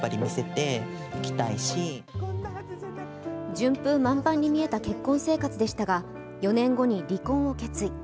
順風満帆に見えた結婚生活でしたが４年後に離婚を決意。